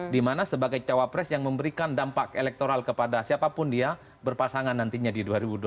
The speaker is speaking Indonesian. dimana sebagai cawapres yang memberikan dampak elektoral kepada siapapun dia berpasangan nantinya di dua ribu dua puluh